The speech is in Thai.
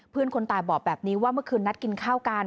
คนตายบอกแบบนี้ว่าเมื่อคืนนัดกินข้าวกัน